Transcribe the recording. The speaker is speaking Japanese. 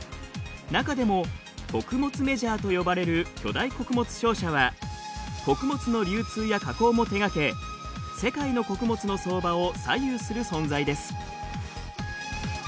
中でも穀物メジャーと呼ばれる巨大穀物商社は穀物の流通や加工も手がけ世界の穀物の相場を左右する存在です。